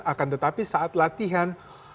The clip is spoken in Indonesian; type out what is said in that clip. akan tetapi saat latihan